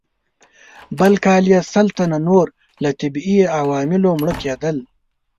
بل کال یې سل تنه نور له طبیعي عواملو مړه کېدل.